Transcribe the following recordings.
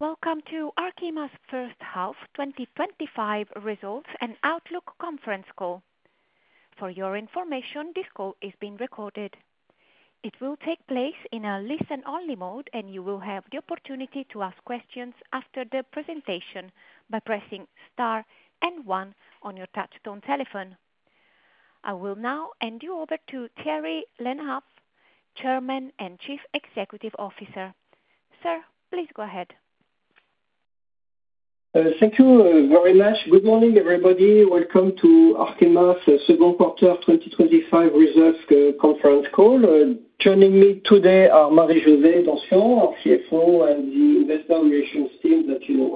Welcome to Arkema's first half 2025 results and outlook conference call. For your information, this call is being recorded. It will take place in a listen-only mode, and you will have the opportunity to ask questions after the presentation by pressing star and one on your touchstone telephone. I will now hand you over to Thierry Le Hénaff, Chairman and Chief Executive Officer. Sir, please go ahead. Thank you very much. Good morning, everybody. Welcome to Arkema's second quarter 2025 results conference call. Joining me today are Marie-José Donsion, our CFO, and the investor relations team that you know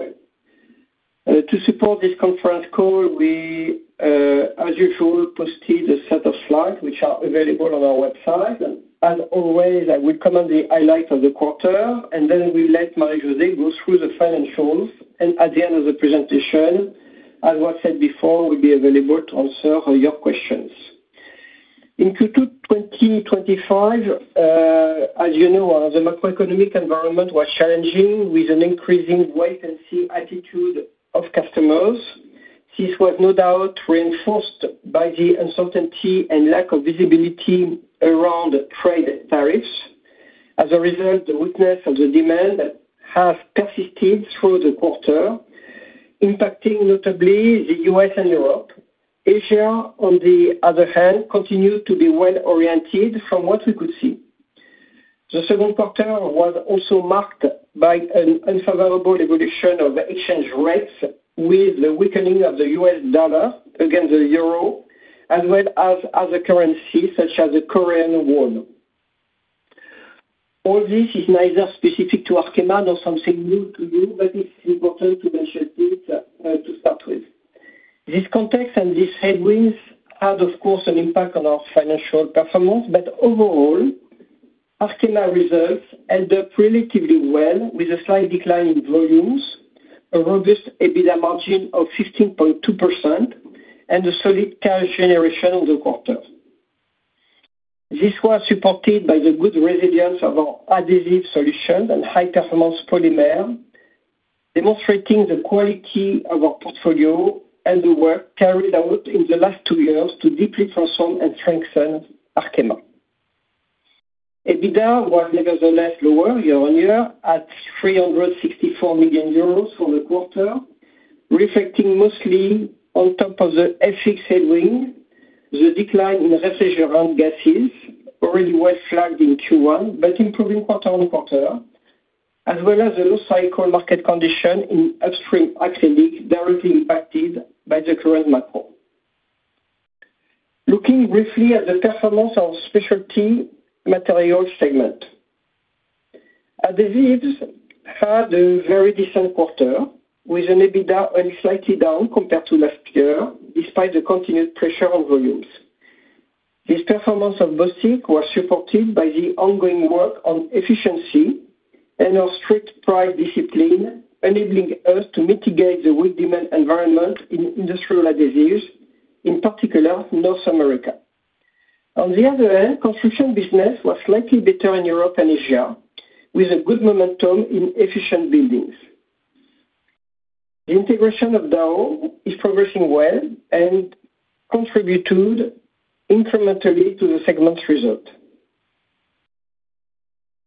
well. To support this conference call, we, as usual, posted a set of slides which are available on our website. As always, I will comment the highlights of the quarter, then we'll let Marie-José go through the financials. At the end of the presentation, as was said before, we'll be available to answer your questions. In Q2 2025, as you know, the macroeconomic environment was challenging with an increasing wait-and-see attitude of customers. This was no doubt reinforced by the uncertainty and lack of visibility around trade tariffs. As a result, the weakness of the demand has persisted through the quarter, impacting notably the U.S. and Europe. Asia, on the other hand, continued to be well-oriented from what we could see. The second quarter was also marked by an unfavorable evolution of exchange rates, with the weakening of the U.S. dollar against the euro, as well as other currencies such as the Korean won. All this is neither specific to Arkema nor something new to you, but it's important to mention it to start with. This context and these headwinds had, of course, an impact on our financial performance, but overall, Arkema results ended up relatively well, with a slight decline in volumes, a robust EBITDA margin of 15.2%, and a solid cash generation in the quarter. This was supported by the good resilience of our adhesive solutions and high-performance polymers, demonstrating the quality of our portfolio and the work carried out in the last two years to deeply transform and strengthen Arkema. EBITDA was nevertheless lower year-on-year, at 364 million euros for the quarter, reflecting mostly on top of the FX headwind, the decline in refrigerant gases, already well flagged in Q1, but improving quarter on quarter, as well as the low cycle market condition in upstream acrylics directly impacted by the current macro. Looking briefly at the performance of our Specialty Materials segment, adhesives had a very decent quarter, with an EBITDA only slightly down compared to last year, despite the continued pressure on volumes. This performance of Bostik was supported by the ongoing work on efficiency and our strict price discipline, enabling us to mitigate the weak demand environment in industrial adhesives, in particular North America. On the other hand, the construction business was slightly better in Europe and Asia, with a good momentum in efficient buildings. The integration of Dow is progressing well and contributed incrementally to the segment's result.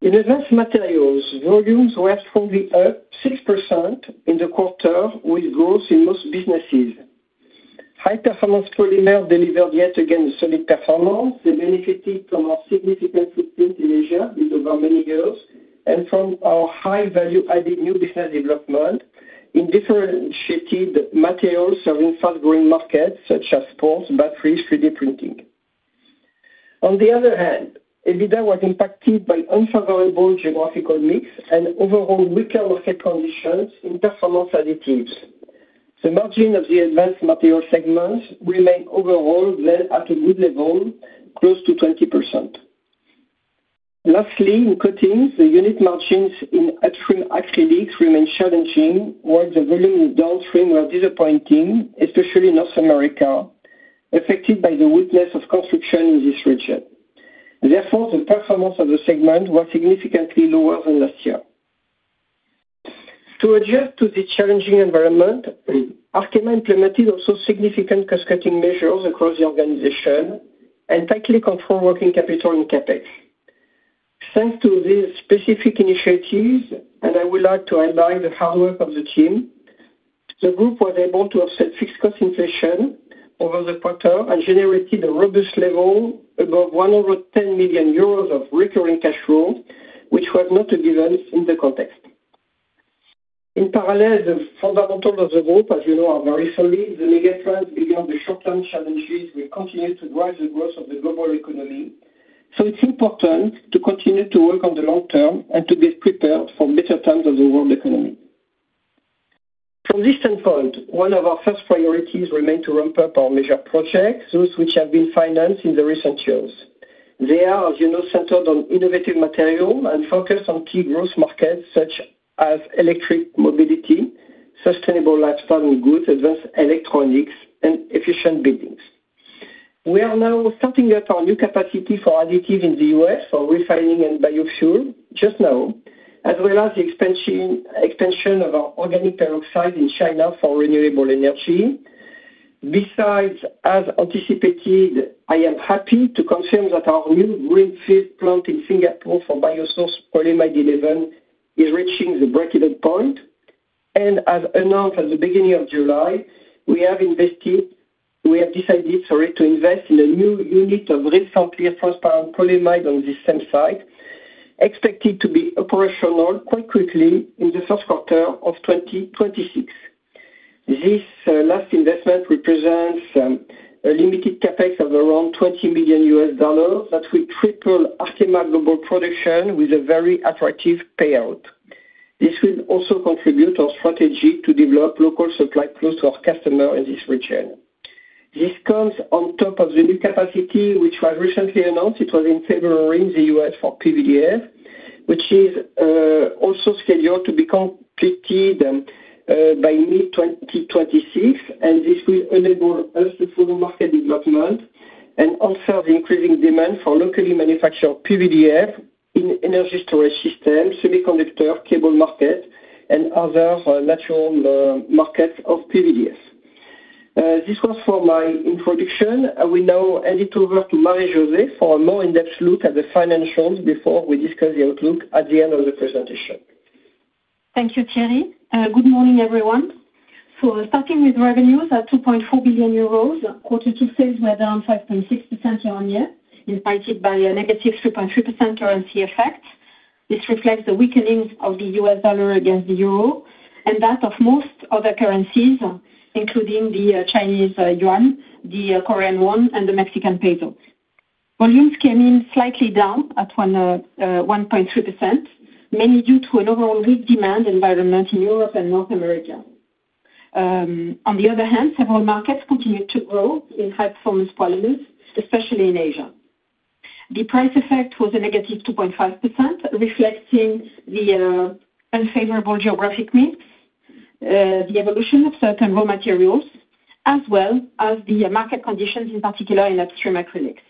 In Advanced Materials, volumes were strongly up 6% in the quarter, with growth in most businesses. High-performance polymers delivered yet again solid performance. They benefited from our significant footprint in Asia over many years and from our high-value-added new business development in differentiated materials serving fast-growing markets such as sports, batteries, and 3D printing. On the other hand, EBITDA was impacted by unfavorable geographical mix and overall weaker market conditions in performance additives. The margin of the Advanced Materials segment remained overall well at a good level, close to 20%. Lastly, in coatings, the unit margins in upstream acrylics remain challenging, while the volumes downstream were disappointing, especially in North America, affected by the weakness of construction in this region. Therefore, the performance of the segment was significantly lower than last year. To adjust to the challenging environment, Arkema implemented also significant cost-cutting measures across the organization and tightly controlled working capital in CapEx. Thanks to these specific initiatives, and I would like to highlight the hard work of the team, the group was able to offset fixed cost inflation over the quarter and generated a robust level above 110 million euros of recurring cash flow, which was not a given in the context. In parallel, the fundamentals of the group, as you know, are very solid. The mega trends beyond the short-term challenges will continue to drive the growth of the global economy. It's important to continue to work on the long term and to get prepared for better terms of the world economy. From this standpoint, one of our first priorities remains to ramp up our major projects, those which have been financed in the recent years. They are, as you know, centered on innovative material and focused on key growth markets such as electric mobility, sustainable lifestyle and goods, advanced electronics, and efficient buildings. We are now starting up our new capacity for additives in the U.S. for refining and biofuel just now, as well as the expansion of our organic peroxide in China for renewable energy. Besides, as anticipated, I am happy to confirm that our new greenfield plant in Singapore for bio-sourced polyamide 11 is reaching the break-even point. As announced at the beginning of July, we have decided to invest in a new unit of Rilsan Clear transparent polyamide on the same site, expected to be operational quite quickly in the first quarter of 2026. This last investment represents a limited CapEx of around $20 million that will triple Arkema global production with a very attractive payout. This will also contribute to our strategy to develop local supply close to our customers in this region. This comes on top of the new capacity, which was recently announced. It was in February in the U.S. for PVDF, which is also scheduled to be completed by mid-2026. This will enable us to follow market development and answer the increasing demand for locally manufactured PVDF in energy storage systems, semiconductor, cable market, and other natural markets of PVDF. This was for my introduction. I will now hand it over to Marie-José for a more in-depth look at the financials before we discuss the outlook at the end of the presentation. Thank you, Thierry. Good morning, everyone. Starting with revenues at 2.4 billion euros, quarter two sales were down 5.6% year on year, impacted by a negative 3.3% currency effect. This reflects the weakening of the U.S. dollar against the euro and that of most other currencies, including the Chinese yuan, the Korean won, and the Mexican peso. Volumes came in slightly down at 1.3%, mainly due to an overall weak demand environment in Europe and North America. On the other hand, several markets continued to grow in high-performance polymers, especially in Asia. The price effect was a negative 2.5%, reflecting the unfavorable geographic mix, the evolution of certain raw materials, as well as the market conditions, in particular in upstream acrylics.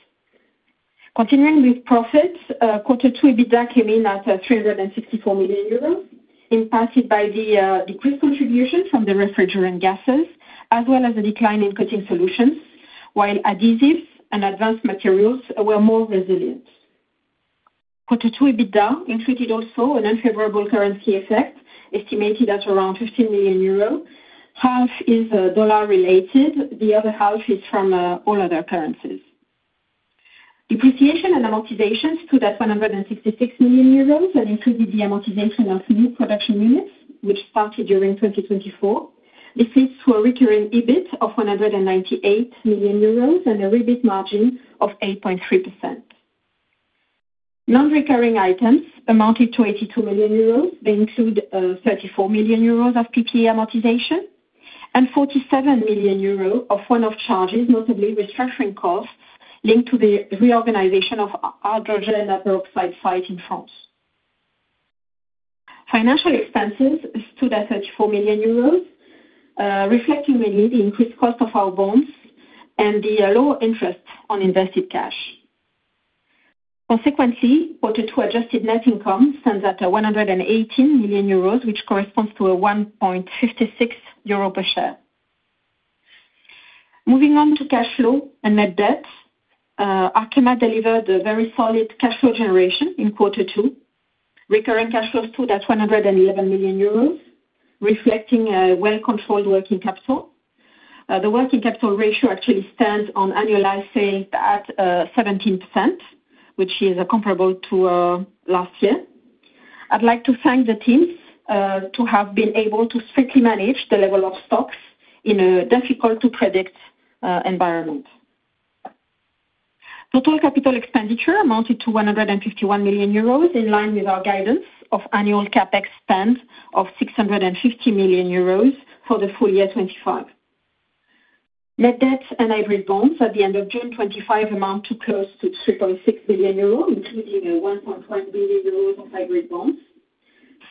Continuing with profits, quarter two EBITDA came in at 364 million euros, impacted by the decreased contribution from the refrigerant gases, as well as a decline in coating solutions, while adhesives and advanced materials were more resilient. Quarter two EBITDA also included an unfavorable currency effect estimated at around 15 million euros. Half is dollar-related. The other half is from all other currencies. Depreciation and amortization stood at 166 million euros and included the amortization of new production units, which started during 2024. This leads to a recurring EBIT of 198 million euros and a REBIT margin of 8.3%. Non-recurring items amounted to 82 million euros. They include 34 million euros of PPE amortization and 47 million euros of one-off charges, notably restructuring costs linked to the reorganization of hydrogen and peroxide site in France. Financial expenses stood at 34 million euros, reflecting mainly the increased cost of our bonds and the lower interest on invested cash. Consequently, quarter two adjusted net income stands at 118 million euros, which corresponds to 1.56 euro per share. Moving on to cash flow and net debt, Arkema delivered a very solid cash flow generation in quarter two. Recurring cash flow stood at 111 million euros, reflecting a well-controlled working capital. The working capital ratio actually stands on annualized sales at 17%, which is comparable to last year. I'd like to thank the teams to have been able to strictly manage the level of stocks in a difficult-to-predict environment. Total capital expenditure amounted to 151 million euros, in line with our guidance of annual CapEx spend of 650 million euros for the full year 2025. Net debt and hybrid bonds at the end of June 2025 amounted close to 3.6 billion euros, including 1.1 billion euros of hybrid bonds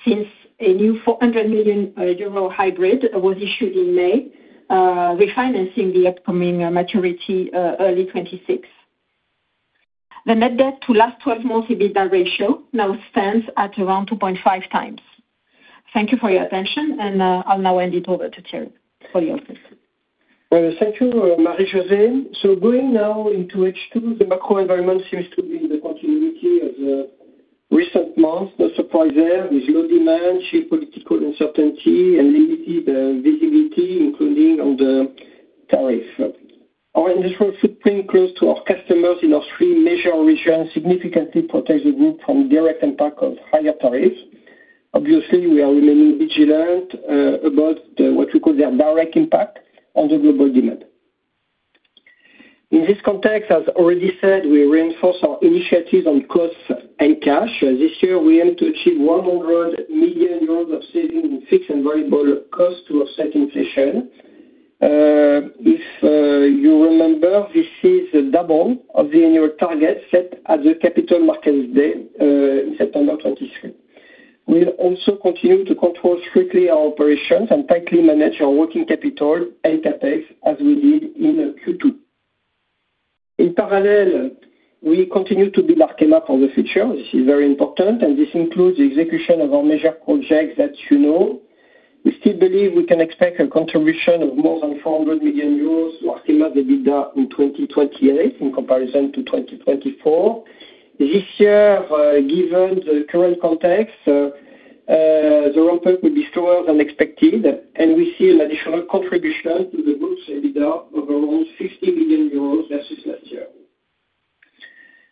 since a new 400 million euro hybrid was issued in May, refinancing the upcoming maturity early 2026. The net debt to last 12 months EBITDA ratio now stands at around 2.5 times. Thank you for your attention, and I'll now hand it over to Thierry for the outlook. Thank you, Marie-José. Going now into H2, the macro environment seems to be the continuity of the recent months. No surprise there with low demand, geopolitical uncertainty, and limited visibility, including on the tariff. Our industrial footprint close to our customers in our three major regions significantly protects the group from the direct impact of higher tariffs. Obviously, we are remaining vigilant about what we call their direct impact on the global demand. In this context, as already said, we reinforce our initiatives on costs and cash. This year, we aim to achieve 100 million euros of savings in fixed and variable costs to offset inflation. If you remember, this is double the annual target set at the Capital Markets Day in September 2023. We will also continue to control strictly our operations and tightly manage our working capital and CapEx as we did in Q2. In parallel, we continue to build Arkema for the future. This is very important, and this includes the execution of our major projects that you know. We still believe we can expect a contribution of more than 400 million euros to Arkema's EBITDA in 2028 in comparison to 2024. This year, given the current context, the ramp-up will be slower than expected, and we see an additional contribution to the group's EBITDA of around 50 million euros versus last year.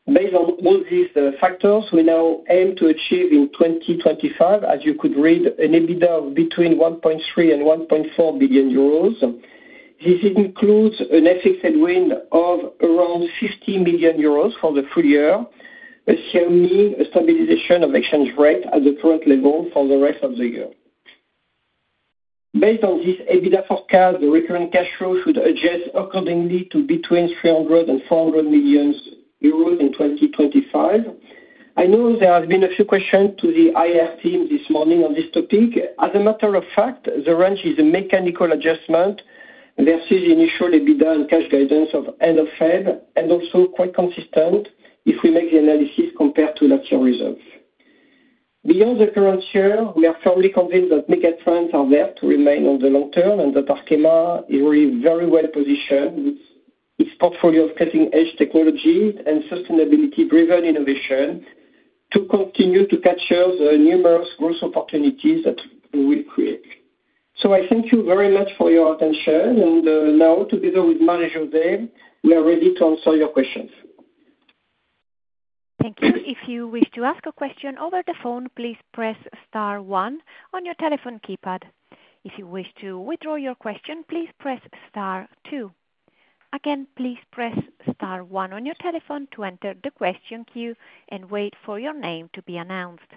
Based on all these factors, we now aim to achieve in 2025, as you could read, an EBITDA of between 1.3 billion and 1.4 billion euros. This includes an FX headwind of around 50 million euros for the full year, assuming a stabilization of exchange rate at the current level for the rest of the year. Based on this EBITDA forecast, the recurring cash flow should adjust accordingly to between 300 million euros and 400 million euros in 2025. I know there have been a few questions to the IR team this morning on this topic. As a matter of fact, the range is a mechanical adjustment versus the initial EBITDA and cash guidance of end of February, and also quite consistent if we make the analysis compared to last year's results. Beyond the current year, we are firmly convinced that mega trends are there to remain on the long term and that Arkema is already very well positioned with its portfolio of cutting-edge technology and sustainability-driven innovation to continue to capture the numerous growth opportunities that we create. I thank you very much for your attention. Now, together with Marie-José, we are ready to answer your questions. Thank you. If you wish to ask a question over the phone, please press star one on your telephone keypad. If you wish to withdraw your question, please press star two. Again, please press star one on your telephone to enter the question queue and wait for your name to be announced.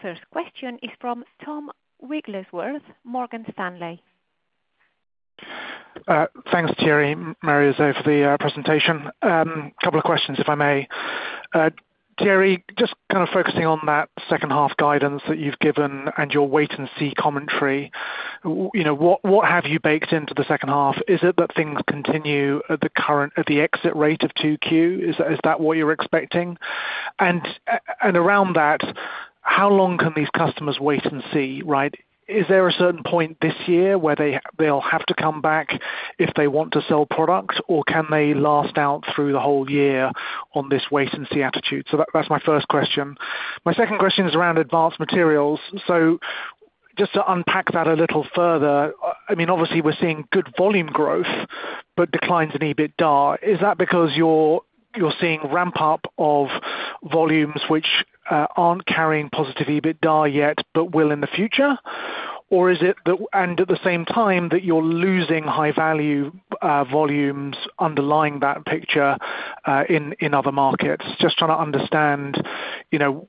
First question is from Tom Wrigglesworth, Morgan Stanley. Thanks, Thierry, Marie-José, for the presentation. A couple of questions, if I may. Thierry, just kind of focusing on that second half guidance that you've given and your wait-and-see commentary. What have you baked into the second half? Is it that things continue at the current at the exit rate of 2Q? Is that what you're expecting? Around that, how long can these customers wait and see, right? Is there a certain point this year where they'll have to come back if they want to sell product, or can they last out through the whole year on this wait-and-see attitude? That's my first question. My second question is around Advanced Materials. Just to unpack that a little further, I mean, obviously, we're seeing good volume growth but declines in EBITDA. Is that because you're seeing a ramp-up of volumes which aren't carrying positive EBITDA yet but will in the future? Or is it that, at the same time, you're losing high-value volumes underlying that picture in other markets? Just trying to understand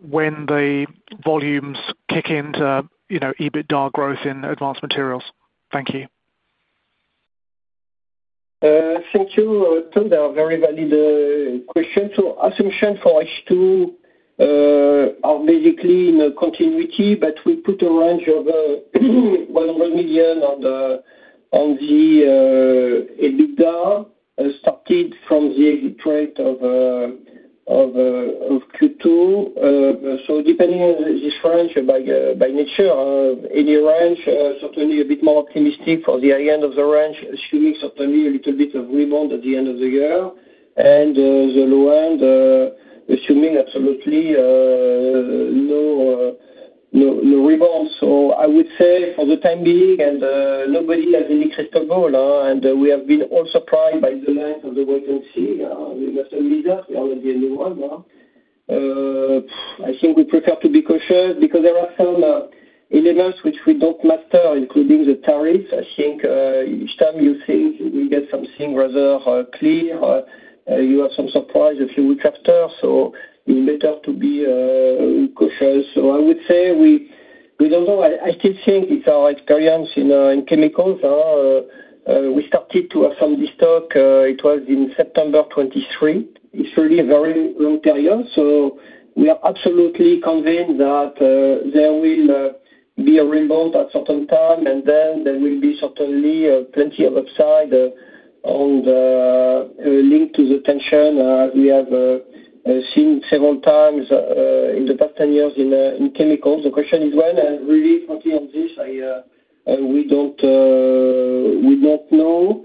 when the volumes kick into EBITDA growth in Advanced Materials. Thank you. Thank you, Tom. That was a very valid question. Assumptions for H2 are basically in continuity, but we put a range of 100 million on the EBITDA, started from the exit rate of Q2. Depending on this range by nature, any range is certainly a bit more optimistic for the high end of the range, assuming certainly a little bit of rebound at the end of the year. The low end, assuming absolutely no rebound. I would say for the time being, and nobody has any crystal ball, and we have been all surprised by the length of the wait-and-see. We must admit that. We are not the only one. I think we prefer to be cautious because there are some elements which we don't master, including the tariffs. Each time you think you will get something rather clear, you have some surprise a few weeks after. It's better to be cautious. I would say we don't know. I still think it's our experience in chemicals. We started to have some stock. It was in September 2023. It's really a very long period. We are absolutely convinced that there will be a rebound at a certain time, and then there will be certainly plenty of upside linked to the tension, as we have seen several times in the past 10 years in chemicals. The question is when? Frankly, on this, we don't know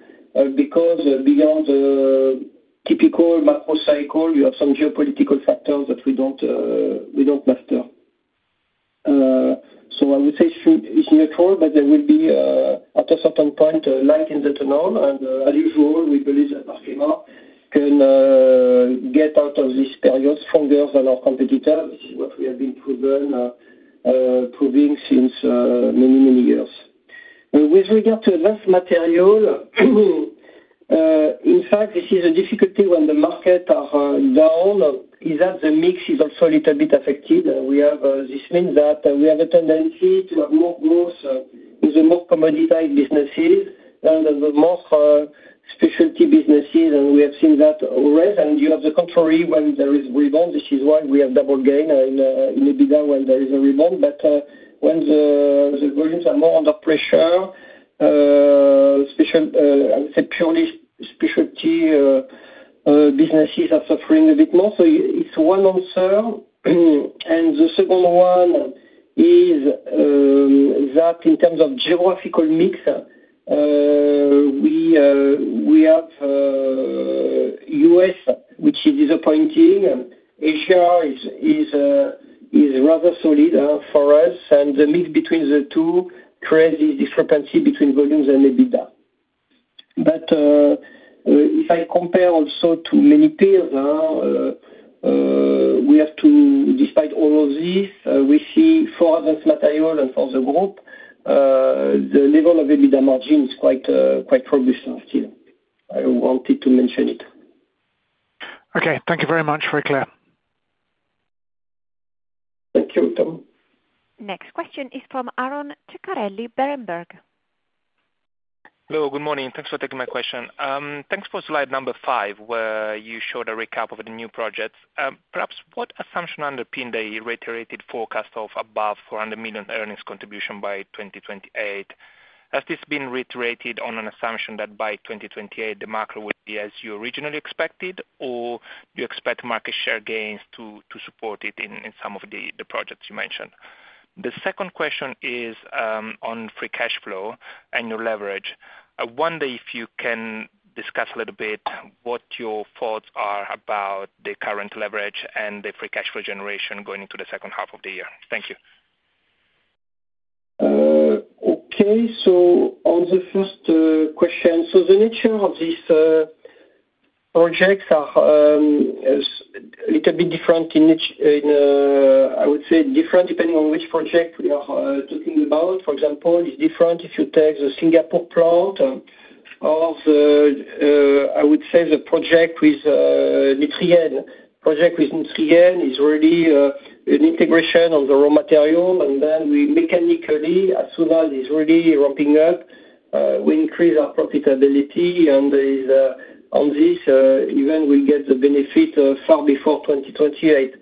because beyond the typical macro cycle, you have some geopolitical factors that we don't master. I would say it's neutral, but there will be, at a certain point, light in the tunnel. As usual, we believe that Arkema can get out of this period stronger than our competitors. This is what we have been proving since many, many years. With regard to Advanced Materials, in fact, this is a difficulty when the markets are down. The mix is also a little bit affected. This means that we have a tendency to have more growth in the more commoditized businesses and the more specialty businesses. We have seen that always. You have the contrary when there is rebound. This is why we have double gain in EBITDA when there is a rebound. When the volumes are more under pressure, I would say purely specialty businesses are suffering a bit more. It's one answer. The second one is that in terms of geographical mix, we have U.S., which is disappointing. Asia is rather solid for us. The mix between the two creates this discrepancy between volumes and EBITDA. If I compare also to many peers, despite all of this, we see for Advanced Materials and for the group, the level of EBITDA margin is quite robust still. I wanted to mention it. Okay. Thank you very much, Thierry. Thank you, Tom. Next question is from Aron Ceccarelli Berenberg. Hello. Good morning. Thanks for taking my question. Thanks for slide number five where you showed a recap of the new projects. Perhaps what assumption underpins the reiterated forecast of above 400 million earnings contribution by 2028? Has this been reiterated on an assumption that by 2028, the macro would be as you originally expected, or do you expect market share gains to support it in some of the projects you mentioned? The second question is on free cash flow and your leverage. I wonder if you can discuss a little bit what your thoughts are about the current leverage and the free cash flow generation going into the second half of the year. Thank you. Okay. On the first question, the nature of these projects is a little bit different in each. I would say different depending on which project we are talking about. For example, it's different if you take the Singapore plant or the project with Nutrien. The project with Nutrien is really an integration of the raw material. Then we mechanically, as soon as it's really ramping up, increase our profitability. On this, we will get the benefit far before 2028.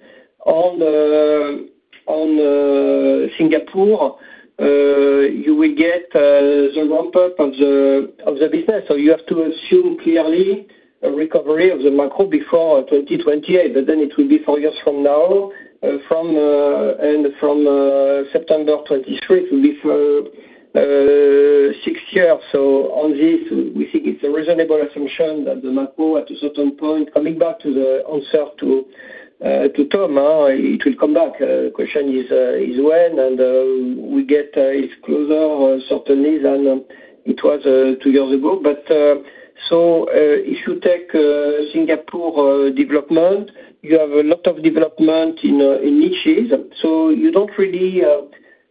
On Singapore, you will get the ramp-up of the business. You have to assume clearly a recovery of the macro before 2028. Then it will be four years from now. From September 2023, it will be six years. On this, we think it's a reasonable assumption that the macro at a certain point, coming back to the answer to Tom, will come back. The question is when? We get it closer certainly than it was two years ago. If you take Singapore development, you have a lot of development in niches. You don't really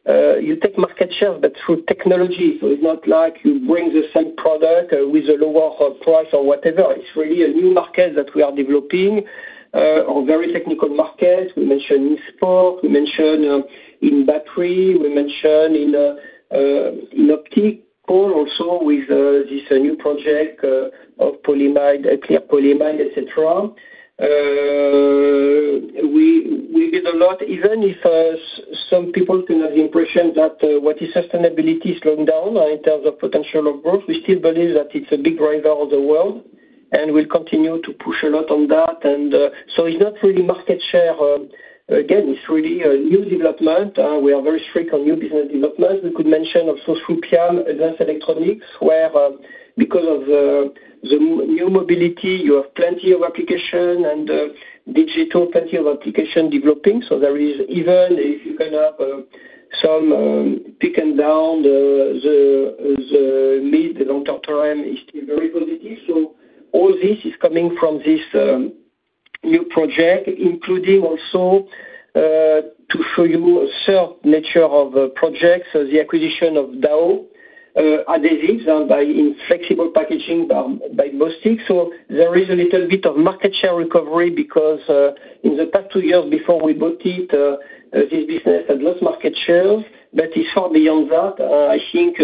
take market share, but through technology. It's not like you bring the same product with a lower price or whatever. It's really a new market that we are developing, a very technical market. We mentioned in sport. We mentioned in battery. We mentioned in optical also with this new project of clear polyamide, etc. We get a lot, even if some people can have the impression that what is sustainability is slowing down in terms of potential of growth. We still believe that it's a big driver of the world and will continue to push a lot on that. It's not really market share. Again, it's really a new development. We are very strict on new business developments. We could mention also PIAM Advanced Electronics, where because of the new mobility, you have plenty of application and digital, plenty of application developing. Even if you can have some picking down the mid-long-term term, it's still very positive. All this is coming from this new project, including also to show you a third nature of projects, the acquisition of Dow Adhesives and by flexible packaging by Bostik. There is a little bit of market share recovery because in the past two years before we bought it, this business had lost market share. It's far beyond that. I think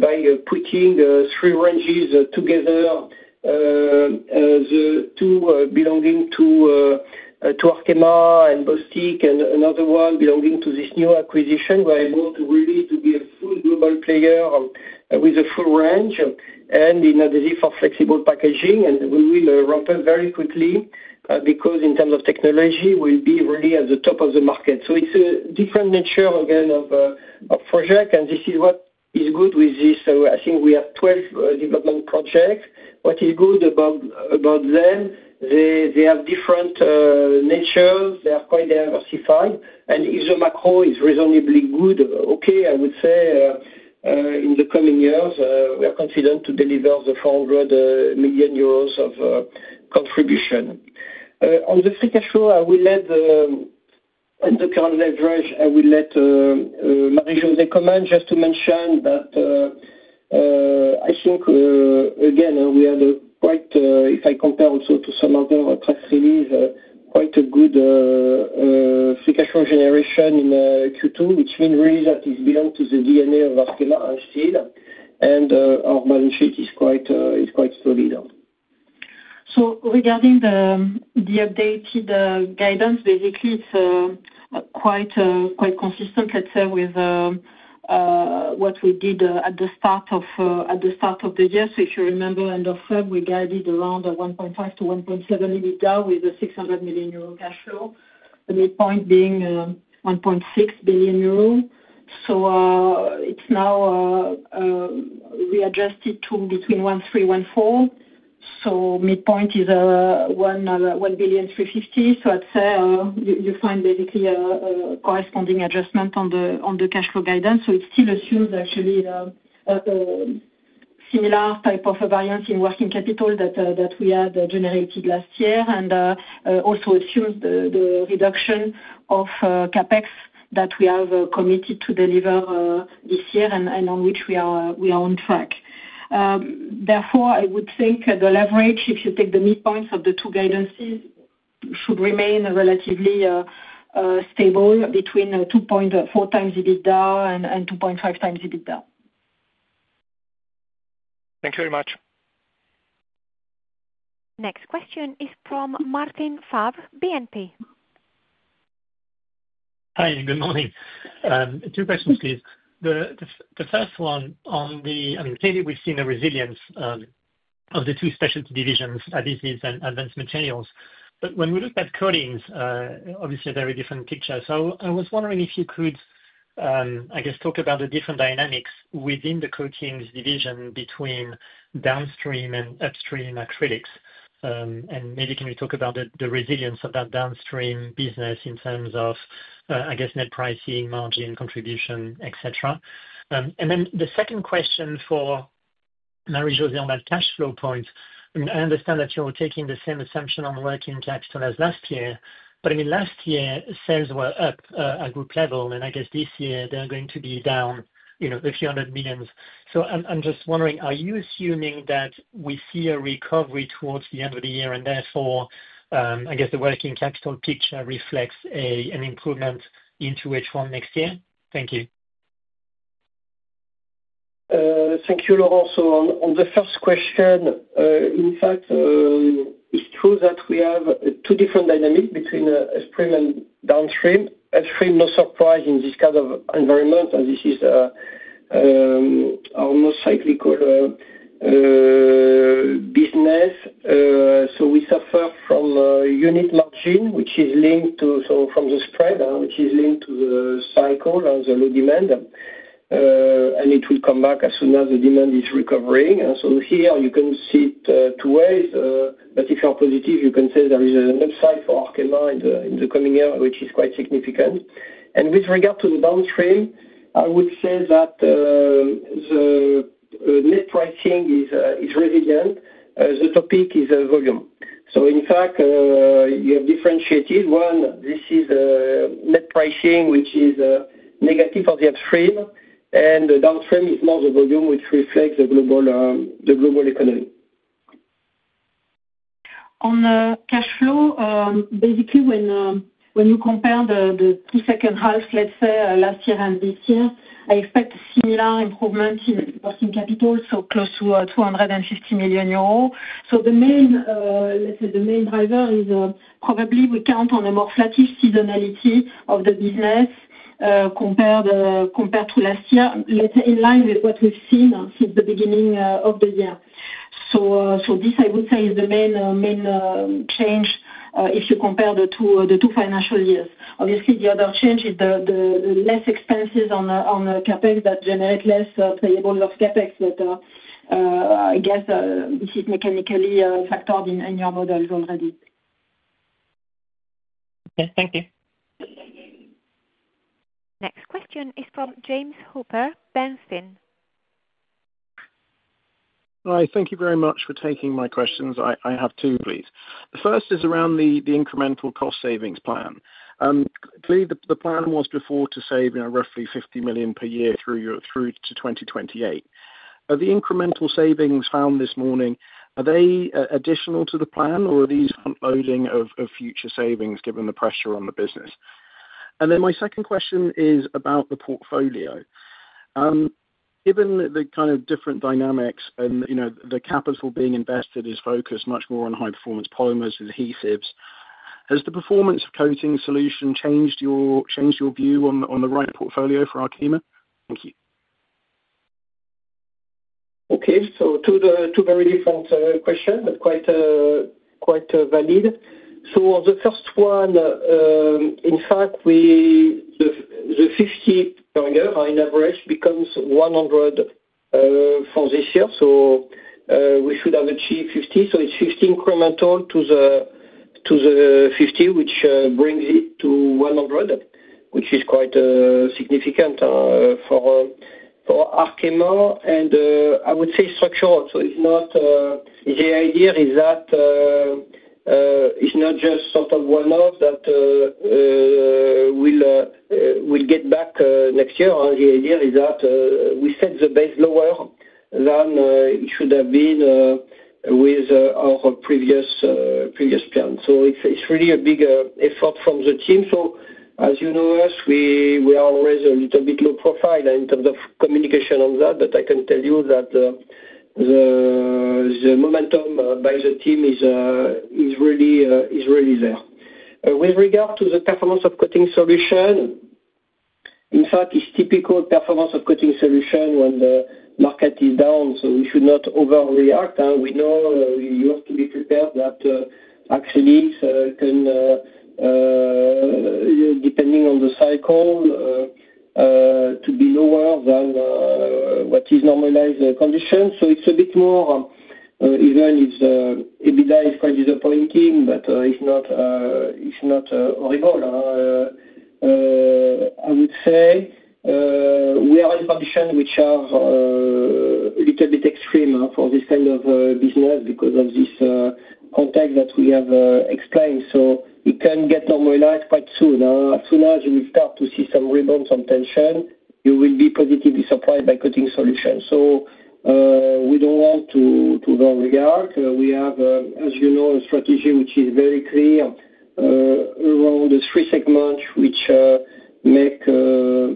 by putting three ranges together, the two belonging to Arkema and Bostik and another one belonging to this new acquisition, we're able to really be a full global player with a full range in adhesive for flexible packaging. We will ramp up very quickly because in terms of technology, we'll be really at the top of the market. It's a different nature, again, of project. This is what is good with this. I think we have 12 development projects. What is good about them? They have different natures. They are quite diversified. If the macro is reasonably good, I would say in the coming years, we are confident to deliver the 400 million euros of contribution. On the free cash flow, I will let the current leverage, I will let Marie-José comment. Just to mention that I think, again, we had quite, if I compare also to some other press release, quite a good free cash flow generation in Q2, which means really that it's beyond the DNA of Arkema still. Our balance sheet is quite solid. Regarding the updated guidance, basically, it's quite consistent with what we did at the start of the year. If you remember, end of February, we guided around 1.5 billion to 1.7 billion EBITDA with a 600 million euro cash flow, the midpoint being 1.6 billion euro. It's now readjusted to between 1.3 billion and 1.4 billion, so midpoint is 1.35 billion. I'd say you find basically a corresponding adjustment on the cash flow guidance. It still assumes actually a similar type of a variance in working capital that we had generated last year and also assumes the reduction of CapEx that we have committed to deliver this year and on which we are on track. Therefore, I would think the leverage, if you take the midpoints of the two guidances, should remain relatively stable between 2.4 times EBITDA and 2.5 times EBITDA. Thank you very much. Next question is from Martin Favre, BNP. Hi. Good morning. Two questions, please. The first one on the, I mean, clearly, we've seen a resilience of the two Specialty divisions, Adhesive and Advanced Materials. When we looked at Coatings, obviously, a very different picture. I was wondering if you could talk about the different dynamics within the Coatings division between downstream and upstream acrylics. Maybe can we talk about the resilience of that downstream business in terms of, I guess, net pricing, margin, contribution, etc.? The second question for Marie-José Donsion on that cash flow point. I understand that you're taking the same assumption on working capital as last year. Last year, sales were up at a group level. I guess this year, they are going to be down a few hundred million. I'm just wondering, are you assuming that we see a recovery towards the end of the year and therefore, I guess, the working capital picture reflects an improvement into H1 next year? Thank you. Thank you, Laurent. On the first question, in fact, it shows that we have two different dynamics between upstream and downstream. Upstream, no surprise in this kind of environment, as this is our most cyclical business. We suffer from unit margin, which is linked to the spread, which is linked to the cycle and the low demand. It will come back as soon as the demand is recovering. You can see it two ways. If you're positive, you can say there is an upside for Arkema in the coming year, which is quite significant. With regard to the downstream, I would say that the net pricing is resilient. The topic is volume. In fact, you have differentiated. One, this is net pricing, which is negative for the upstream. The downstream is more the volume, which reflects the global economy. On cash flow, basically, when you compare the two second halves, let's say, last year and this year, I expect similar improvements in working capital, so close to 250 million euros. The main driver is probably we count on a more flat seasonality of the business compared to last year, in line with what we've seen since the beginning of the year. This is the main change if you compare the two financial years. Obviously, the other change is the less expenses on CapEx that generate less payables of CapEx. I guess this is mechanically factored in your models already. Okay, thank you. Next question is from James Hooper, Bernstein. Hi. Thank you very much for taking my questions. I have two, please. The first is around the incremental cost savings plan. Clearly, the plan was before to save roughly $50 million per year through to 2028. Are the incremental savings found this morning, are they additional to the plan, or are these front-loading of future savings given the pressure on the business? My second question is about the portfolio. Given the kind of different dynamics and the capital being invested is focused much more on high-performance polymers, adhesives, has the performance of Coating Solutions changed your view on the right portfolio for Arkema? Thank you. Okay. Two very different questions, but quite valid. On the first one, in fact, the 50 per year in average becomes 100 for this year. We should have achieved 50, so it's 50 incremental to the 50, which brings it to 100, which is quite significant for Arkema. I would say structural. The idea is that it's not just sort of one-off that we'll get back next year. The idea is that we set the base lower than it should have been with our previous plan. It's really a big effort from the team. As you know, we are always a little bit low profile in terms of communication on that, but I can tell you that the momentum by the team is really there. With regard to the performance of coating solutions, in fact, it's typical performance of coating solutions when the market is down. We should not overreact. You have to be prepared that actually, depending on the cycle, to be lower than what is normalized condition. It's a bit more even if the EBITDA is quite disappointing, but it's not horrible. I would say we are in conditions which are a little bit extreme for this kind of business because of this context that we have explained. It can get normalized quite soon. As soon as you will start to see some rebound, some tension, you will be positively surprised by coating solutions. We don't want to overreact. We have, as you know, a strategy which is very clear around the three segments which make our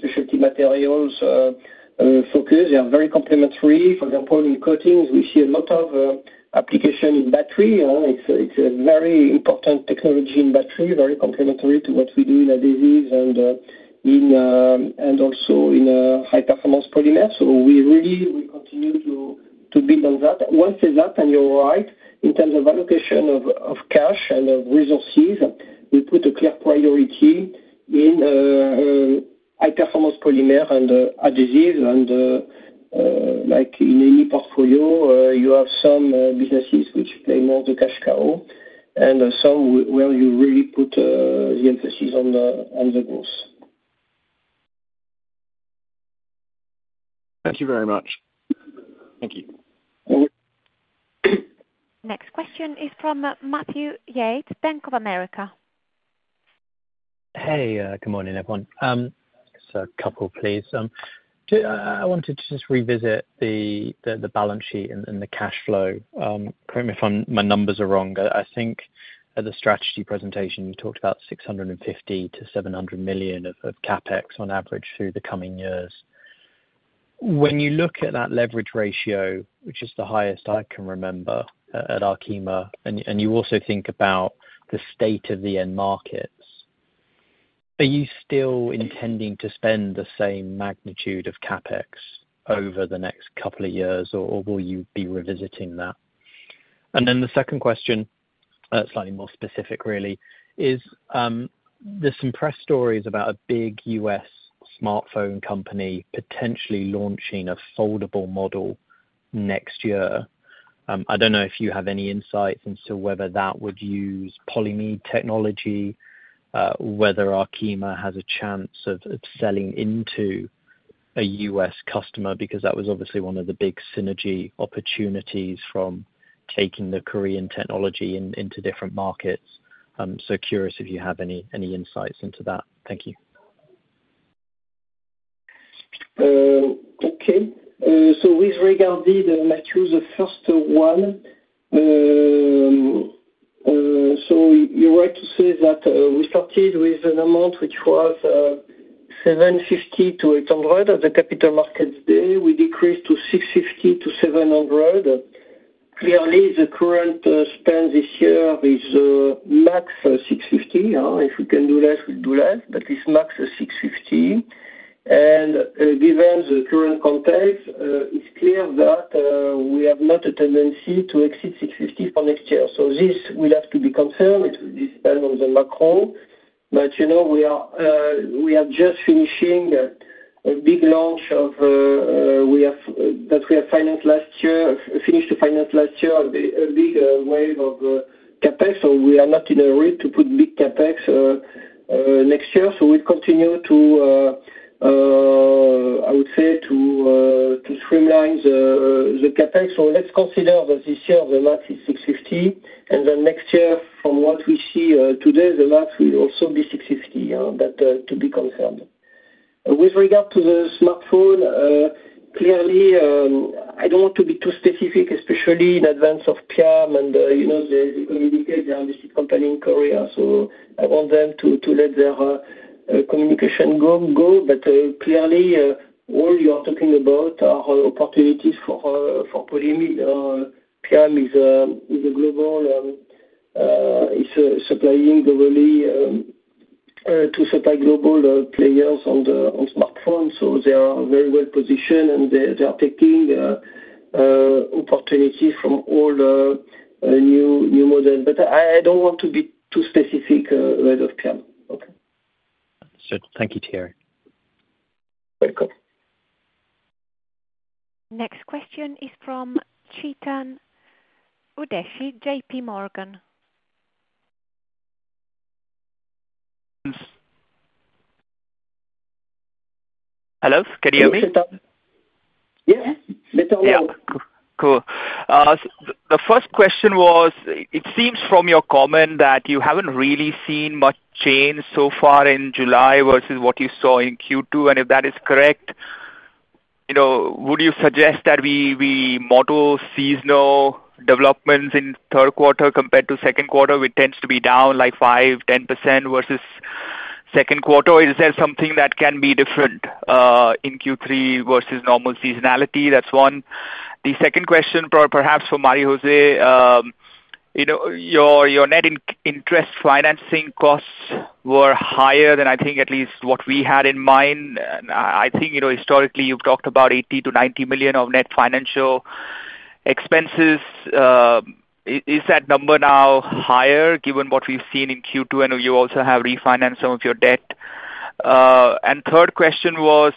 Specialty Materials focus. They are very complementary. For example, in coatings, we see a lot of application in battery. It's a very important technology in battery, very complementary to what we do in adhesives and also in high-performance polymers. We really will continue to build on that. Once it's that, and you're right, in terms of allocation of cash and of resources, we put a clear priority in high-performance polymers and adhesives. Like in any portfolio, you have some businesses which play more the cash cow and some where you really put the emphasis on the growth. Thank you very much. Thank you. Next question is from Matthew Yates, Bank of America. Hey. Good morning, everyone. Just a couple, please. I wanted to just revisit the balance sheet and the cash flow. Correct me if my numbers are wrong. I think at the strategy presentation, you talked about 650 million to 700 million of CapEx on average through the coming years. When you look at that leverage ratio, which is the highest I can remember at Arkema, and you also think about the state of the end markets, are you still intending to spend the same magnitude of CapEx over the next couple of years, or will you be revisiting that? The second question, slightly more specific really, is there's some press stories about a big U.S. smartphone company potentially launching a foldable model next year. I don't know if you have any insights as to whether that would use polyamide technology, whether Arkema has a chance of selling into a U.S. customer because that was obviously one of the big synergy opportunities from taking the Korean technology into different markets. Curious if you have any insights into that. Thank you. Okay. With regard to the Matthew, the first one, you're right to say that we started with an amount which was 750 million to 800 million at the Capital Markets Day. We decreased to 650 million to 700 million. Clearly, the current spend this year is max 650 million. If we can do less, we'll do less, but it's max 650 million. Given the current context, it's clear that we have not a tendency to exceed 650 million for next year. This will have to be confirmed. It will depend on the macro. You know we are just finishing a big launch that we have financed last year, finished to finance last year, a big wave of CapEx. We are not in a risk to put big CapEx next year. We'll continue to, I would say, to streamline the CapEx. Let's consider that this year, the max is 650 million, and then next year, from what we see today, the max will also be 650 million, but to be confirmed. With regard to the smartphone, clearly, I don't want to be too specific, especially in advance of PIAM, and you know they communicate they are a listed company in Korea. I want them to let their communication go. Clearly, all you are talking about are opportunities for polyamide. PIAM is a global supplying globally to supply global players on smartphones. They are very well positioned, and they are taking opportunities from all new models. I don't want to be too specific about PIAM. Understood. Thank you, Thierry. Next question is from Chetan Udeshi, JPMorgan. Hello. Can you hear me? Yes, better now. Yeah. Cool. The first question was, it seems from your comment that you haven't really seen much change so far in July versus what you saw in Q2. If that is correct, would you suggest that we model seasonal developments in third quarter compared to second quarter, which tends to be down like 5% to 10% versus second quarter? Is there something that can be different in Q3 versus normal seasonality? That's one. The second question, perhaps for Marie-José, your net interest financing costs were higher than I think at least what we had in mind. I think, historically, you've talked about 80 million to 90 million of net financial expenses. Is that number now higher given what we've seen in Q2? I know you also have refinanced some of your debt. The third question was,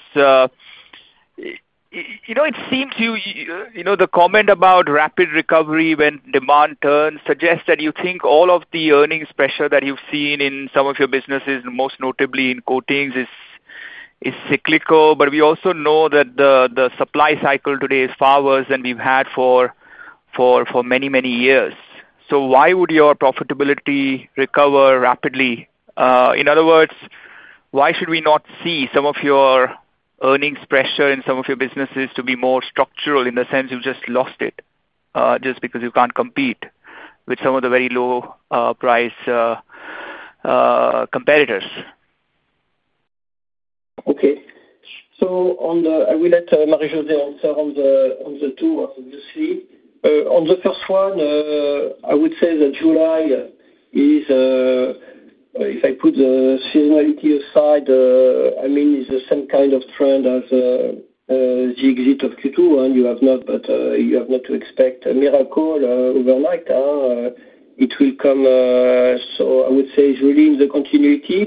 the comment about rapid recovery when demand turns suggests that you think all of the earnings pressure that you've seen in some of your businesses, and most notably in coatings, is cyclical. We also know that the supply cycle today is far worse than we've had for many, many years. Why would your profitability recover rapidly? In other words, why should we not see some of your earnings pressure in some of your businesses to be more structural in the sense you've just lost it, just because you can't compete with some of the very low-priced competitors? Okay. I will let Marie-José answer on the two, obviously. On the first one, I would say that July is, if I put the seasonality aside, it's the same kind of trend as the exit of Q2. You have not to expect a miracle overnight. It will come. I would say it's really in the continuity.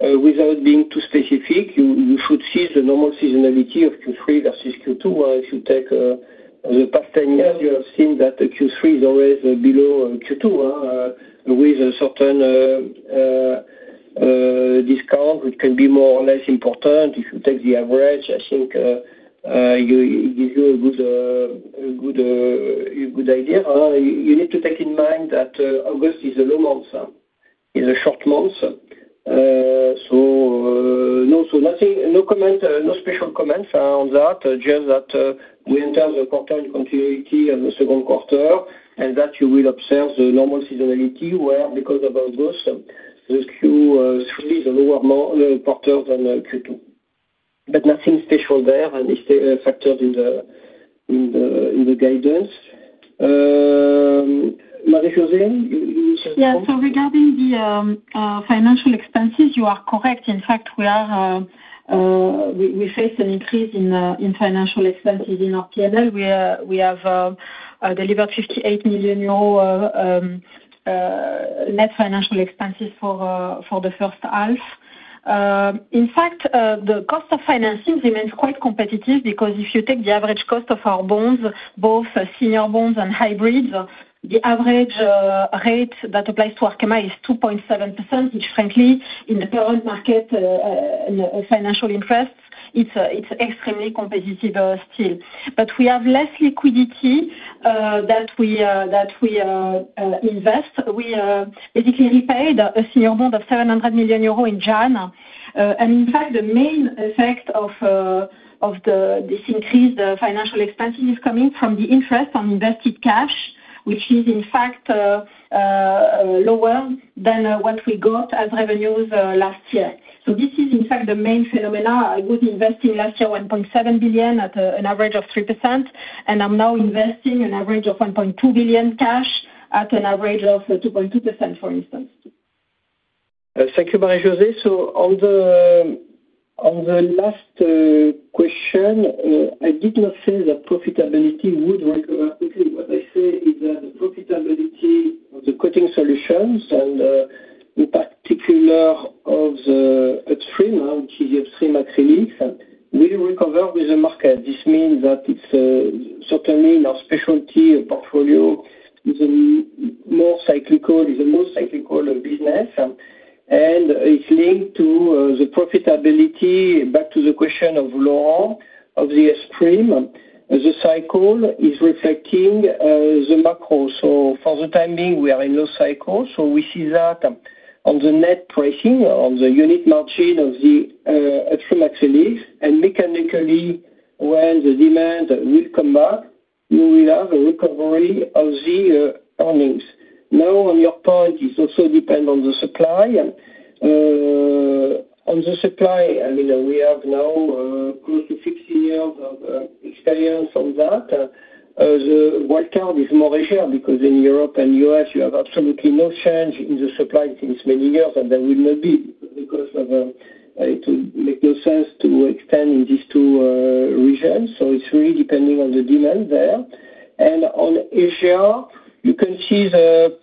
Without being too specific, you should see the normal seasonality of Q3 versus Q2. If you take the past 10 years, you have seen that Q3 is always below Q2 with a certain discount, which can be more or less important. If you take the average, I think it gives you a good idea. You need to take in mind that August is a low month. It's a short month. No special comments on that. We enter the quarter in continuity with the second quarter, and you will observe the normal seasonality where, because of August, Q3 is a lower quarter than Q2. Nothing special there and it is factored in the guidance. Marie-José, you said something? Yeah. Regarding the financial expenses, you are correct. In fact, we faced an increase in financial expenses in our P&L. We have delivered 58 million euro net financial expenses for the first half. In fact, the cost of financing remains quite competitive because if you take the average cost of our bonds, both senior bonds and hybrids, the average rate that applies to Arkema is 2.7%, which, frankly, in the current market and financial interests, is extremely competitive still. We have less liquidity that we invest. We basically repaid a senior bond of 700 million euros in June. In fact, the main effect of this increased financial expenses is coming from the interest on invested cash, which is, in fact, lower than what we got as revenues last year. This is, in fact, the main phenomena. I was investing last year 1.7 billion at an average of 3%, and I'm now investing an average of 1.2 billion cash at an average of 2.2%, for instance. Thank you, Marie-José. On the last question, I did not say that profitability would recover quickly. What I say is that the profitability of the coating solutions, and in particular of the upstream, which is the upstream acrylic, will recover with the market. This means that it's certainly in our specialty portfolio. It's a more cyclical business, and it's linked to the profitability. Back to the question of Laurent, of the upstream, the cycle is reflecting the macro. For the time being, we are in low cycle. We see that on the net pricing, on the unit margin of the upstream acrylic, and mechanically, when the demand will come back, we will have a recovery of the earnings. Now, on your point, it also depends on the supply. On the supply, I mean, we have now close to 15 years of experience on that. The wildcard is Malaysia because in Europe and the U.S., you have absolutely no change in the supply since many years, and there will not be because it would make no sense to extend in these two regions. It's really depending on the demand there. In Asia, you can see that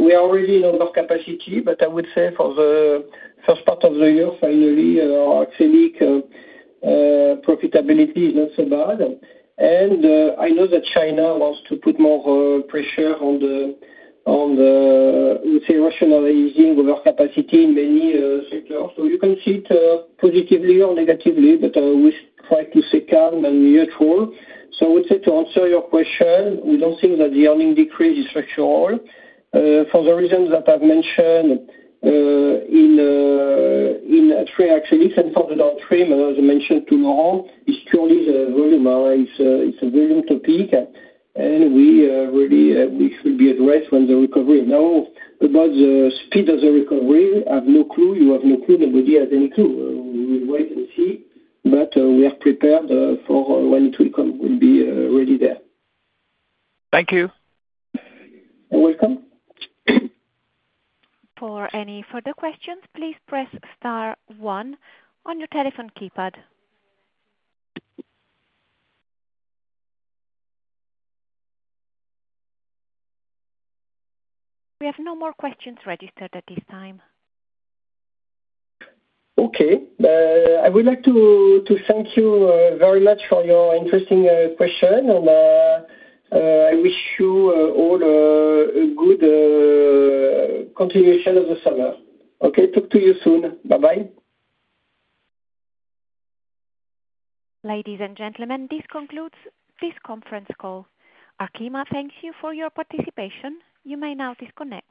we are already in overcapacity, but I would say for the first part of the year, finally, our acrylic profitability is not so bad. I know that China wants to put more pressure on, let's say, rationalizing overcapacity in many sectors. You can see it positively or negatively, but we try to stay calm and neutral. I would say to answer your question, we don't think that the earning decrease is structural for the reasons that I've mentioned in upstream acrylics. For the downstream, as I mentioned to Laurent, it's purely the volume. It's a volume topic, and we really wish it will be addressed when the recovery comes. About the speed of the recovery, I have no clue. You have no clue. Nobody has any clue. We will wait and see. We are prepared for when it will come. We'll be ready there. Thank you. You're welcome. For any further questions, please press star one on your telephone keypad. We have no more questions registered at this time. Okay, I would like to thank you very much for your interesting question, and I wish you all a good continuation of the summer. Okay, talk to you soon. Bye-bye. Ladies and gentlemen, this concludes this conference call. Arkema, thank you for your participation. You may now disconnect.